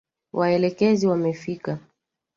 Waelekezi wamefika